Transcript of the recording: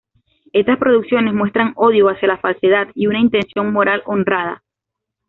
Estas producciones muestran odio hacia la falsedad, y una intención moral honrada.